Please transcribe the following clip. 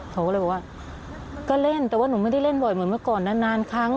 เขาก็เลยบอกว่าก็เล่นแต่ว่าหนูไม่ได้เล่นบ่อยเหมือนเมื่อก่อนนานครั้ง